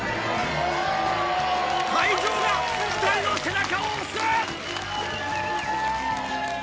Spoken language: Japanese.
会場が２人の背中を押す！